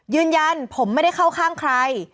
ยืนยันผมไม่ได้เข้าข้างใคร